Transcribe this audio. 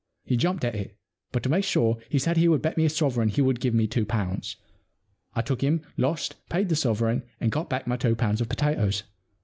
He jumped at it, but to make sure he said he would bet me a sovereign he would give me two pounds. I took him, lost, paid the sovereign, and got back my two pounds of potatoes.